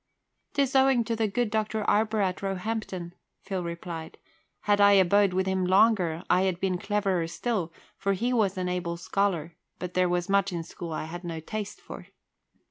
"'Tis owing to the good Dr. Arber at Roehampton," Phil replied. "Had I abode with him longer, I had been cleverer still, for he was an able scholar; but there was much in school I had no taste for."